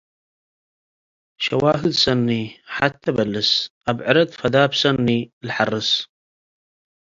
ሸዋህድ ሰኒ፣ ሐቴ በልስ፡ አብዕረት ፈዳብ ሰኒ ለሐርስ።